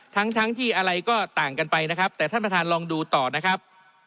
ทั้งทั้งที่อะไรก็ต่างกันไปนะครับแต่ท่านประธานลองดูต่อนะครับ